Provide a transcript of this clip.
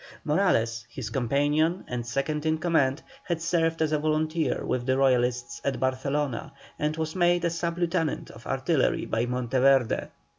Morales, his companion and second in command, had served as a volunteer with the Royalists at Barcelona, and was made a sub lieutenant of artillery by Monteverde.